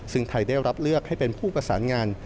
ซึ่งไทยได้รับเลือกให้เป็นผู้ประสานงาน